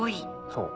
そう。